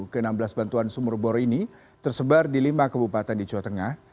ke enam belas bantuan sumur bor ini tersebar di lima kebupatan di jawa tengah